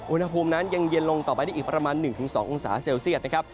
อุณหภูมินั้นยังเย็นลงต่อไปได้อีกประมาณ๑๒องศาเซลเซียตนะครับ